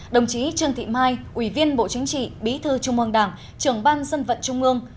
đồng chí trương thị mai ủy viên bộ chính trị bí thư trung ương đảng trưởng ban dân vận trung ương